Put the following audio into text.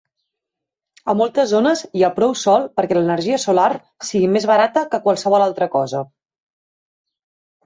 A moltes zones hi ha prou sol perquè l'energia solar sigui més barata que qualsevol altra cosa.